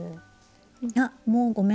あっもうごめん。